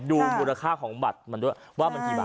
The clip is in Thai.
ดูบุธค่าของบัตรว่ามันกี่บาท